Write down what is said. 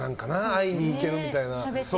会いに行けるみたいな。